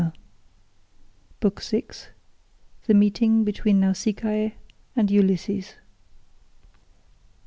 BOOK VI THE MEETING BETWEEN NAUSICAA AND ULYSSES.